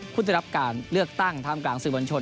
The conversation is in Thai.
คุณต้องรับการเลือกตั้งทางกลางสื่อบรรชน